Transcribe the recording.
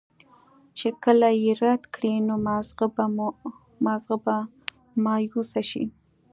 چې کله ئې رد کړي نو مازغۀ به مايوسه شي